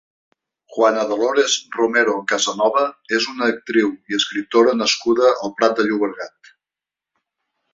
Juana Dolores Romero Casanova és una actriu i escriptora nascuda al Prat de Llobregat.